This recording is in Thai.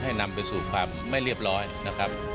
นำไปสู่ความไม่เรียบร้อยนะครับ